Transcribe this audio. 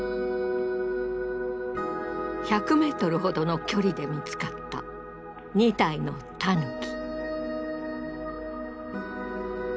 １００メートルほどの距離で見つかった２体のタヌキ。